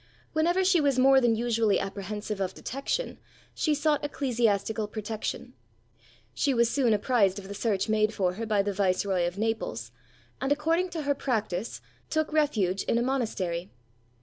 Whenever she was more than usually apprehensive of detection she sought ecclesiastical protection. She was soon apprised of the search made for her by the Viceroy of Naples, and, according to her practice, took refuge in a monastery.